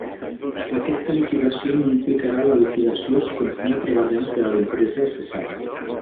Aquesta liquidació no implicarà la liquidació si continua treballant per a l'empresa cessant.